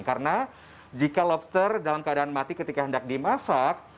karena jika lobster dalam keadaan mati ketika hendak dimasak